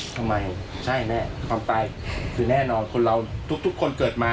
ทำไมใช่แน่ความตายคือแน่นอนคนเราทุกคนเกิดมา